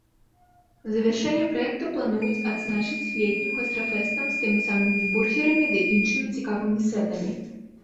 Завяршэнне праекта плануюць адзначыць летнім гастрафэстам з тымі самымі бургерамі ды іншымі цікавымі сэтамі.